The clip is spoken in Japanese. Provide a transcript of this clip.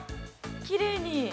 ◆きれいに。